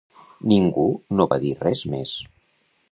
Ningú no va dir res més.